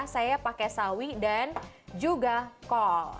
saya pakai sawi dan juga kol